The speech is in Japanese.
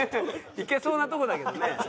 行けそうなとこだけどね。